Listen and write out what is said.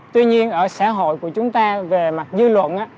tuy nhiên ở xã hội của chúng ta về mặt dư luận